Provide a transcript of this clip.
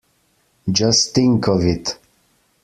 Just think of it!